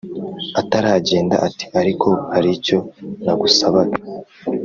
ataragenda ati"ariko haricyo nagusabaga